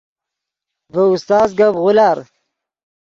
ڤے استاز گپ غولار